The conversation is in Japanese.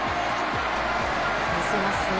見せますね。